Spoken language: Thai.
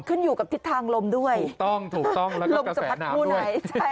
ขึ้นอยู่กับทิศทางลมด้วยถูกต้องถูกต้องแล้วก็กระแสหนาวด้วย